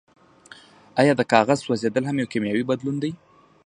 ایا د کاغذ سوځیدل هم یو کیمیاوي بدلون دی